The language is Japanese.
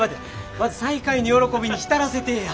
まず再会の喜びに浸らせてえや。